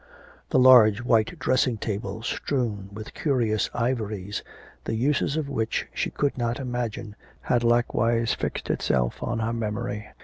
The large white dressing table, strewn with curious ivories, the uses of which she could not imagine, had likewise fixed itself on her memory.